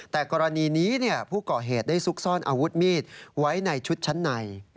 แต่กรณีนี้ผู้ก่อเหตุได้ซุกซ่อนอาวุธมีดไว้ในชุดชั้นใน